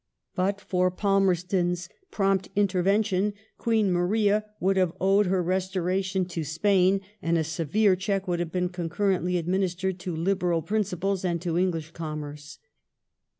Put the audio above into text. But for Palmei ston's prompt intervention Queen Maria would have owed her restoration to Spain, and a severe check would have been concun ently administered to liberal principles and to English commerce.